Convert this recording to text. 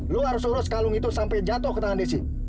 lu harus urus kalung itu sampai jatuh ke tangan desi